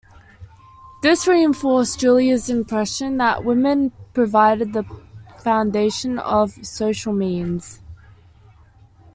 This reinforced Julia's impression that women provided the foundation of social means.